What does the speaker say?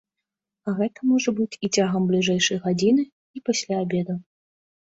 А гэта можа быць і цягам бліжэйшай гадзіны, і пасля абеду.